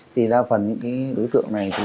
thì đa phần những đối tượng này